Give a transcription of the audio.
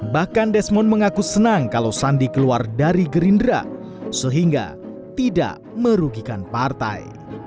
bahkan desmond mengaku senang kalau sandi keluar dari gerindra sehingga tidak merugikan partai